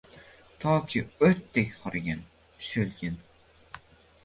Toki o‘tdek qurigin, so‘lgin